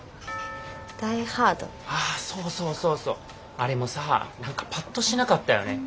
あれもさ何かパッとしなかったよね。